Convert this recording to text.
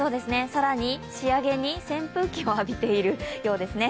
更に仕上げに扇風機を浴びているようですね。